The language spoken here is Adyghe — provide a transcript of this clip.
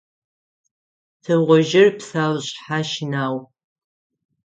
Тыгъужъыр псэушъхьэ щынагъу.